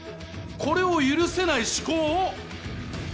これを許せない思考を